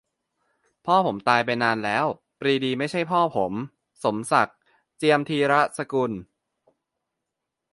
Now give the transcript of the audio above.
"พ่อผมตายไปนานแล้ว ปรีดีไม่ใช่พ่อผม" - สมศักดิ์ เจียมธีรสกุล